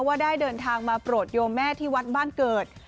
ว่าได้เดินทางมาโปรดโยมแม่ที่วัดบ้านเกิด